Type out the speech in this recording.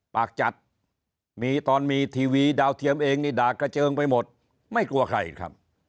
ปากจัดมีตอนมีทีวีดาวเทียมเองนี่ด่ากระเจิงไปหมดไม่กลัวใครครับ